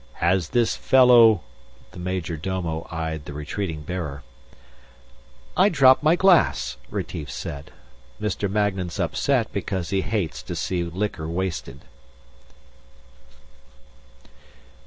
"Has this fellow...." The major domo eyed the retreating bearer. "I dropped my glass," Retief said. "Mr. Magnan's upset because he hates to see liquor wasted."